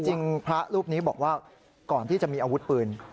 จริงพระรูปนี้บอกว่าก่อนที่จะมีอาวุธปืน